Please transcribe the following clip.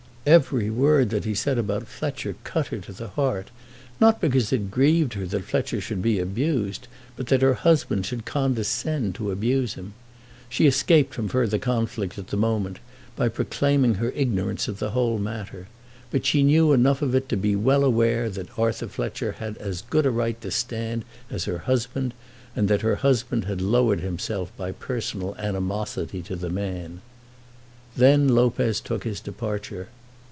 Every word that he said about Fletcher cut her to the heart; not because it grieved her that Fletcher should be abused, but that her husband should condescend to abuse him. She escaped from further conflict at the moment by proclaiming her ignorance of the whole matter; but she knew enough of it to be well aware that Arthur Fletcher had as good a right to stand as her husband, and that her husband lowered himself by personal animosity to the man. Then Lopez took his departure.